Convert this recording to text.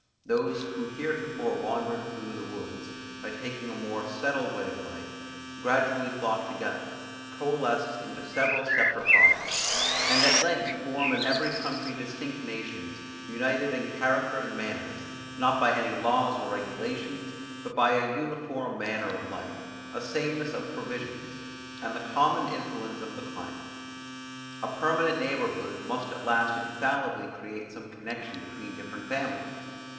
Those who heretofore wandered through the woods, by taking to a more settled way of life, gradually flock together, coalesce into several separate bodies, and at length form in every country distinct nations, united in character and manners, not by any laws or regulations, but by an uniform manner of life, a sameness of provisions, and the common influence of the climate. A permanent neighborhood must at last infallibly create some connection between different families.